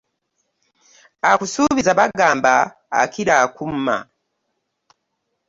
Akusuubiza bagamba akira akumma.